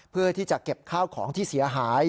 เพื่อที่จะเก็บข้าวของที่เสียหาย